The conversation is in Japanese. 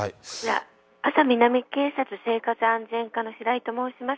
安佐南警察生活安全課のシライと申します。